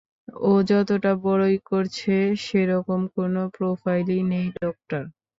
ও যতটা বড়াই করছে সেরকম কোনো প্রোফাইল নেই লোকটার।